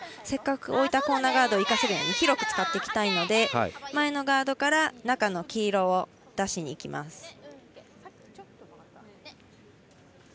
せっかく置いたコーナーガードを生かせるように広く使っていきたいので前のガードから中の黄色を出しにいきます。